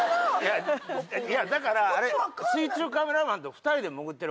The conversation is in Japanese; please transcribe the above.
いやだからあれ水中カメラマンと２人で潜ってるわけやん。